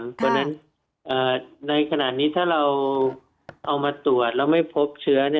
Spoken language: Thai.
เพราะฉะนั้นในขณะนี้ถ้าเราเอามาตรวจแล้วไม่พบเชื้อ